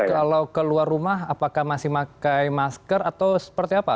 kalau keluar rumah apakah masih pakai masker atau seperti apa